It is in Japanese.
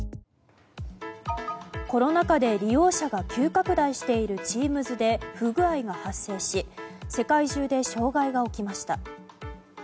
コロナ禍で利用者が急拡大しているＴｅａｍｓで不具合が発生し世界中で障害が起きました。